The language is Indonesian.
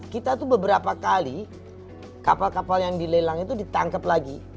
kita tuh beberapa kali kapal kapal yang dilelang itu ditangkap lagi